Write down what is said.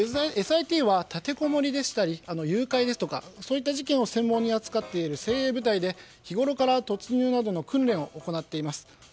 ＳＩＴは立てこもりでしたり誘拐ですとかそういった事件を専門に扱っている精鋭部隊で日頃から突入などの訓練を行っています。